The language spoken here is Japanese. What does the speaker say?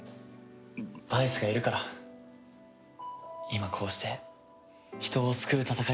バイスがいるから今こうして人を救う戦いができる。